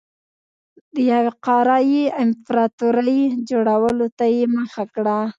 د یوې قاره يي امپراتورۍ جوړولو ته یې مخه کړه.